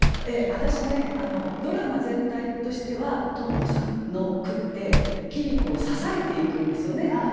私ねドラマ全体としては知子さんの句って桐子を支えていくんですよね。